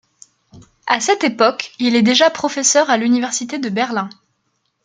À cette époque, il est déjà professeur à l'université de Berlin.